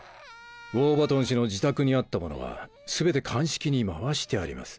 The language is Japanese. ウォーバトン氏の自宅にあったものは全て鑑識に回してあります。